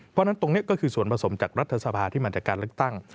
เพราะฉะนั้นตรงนี้ก็คือส่วนผสมจากรัฐสภาที่มาจากการเลือกตั้ง